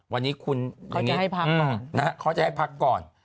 วันนี้คุณเขาจะให้พักก่อนนะฮะเขาจะให้พักก่อน